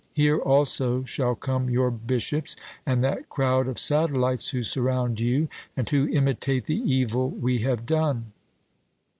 Here also shall come your bishops, and that crowd of satellites who surround you, and who imitate the evil we have done.'